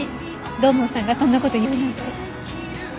土門さんがそんな事言うなんて。